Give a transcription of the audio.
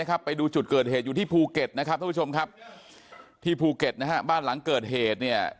ท่านผู้ชมครับที่ภูเก็ตนะฮะบ้านหลังเกิดเหตุเนี่ย